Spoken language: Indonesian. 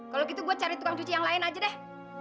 kalau gitu gue cari tukang cuci yang lain aja deh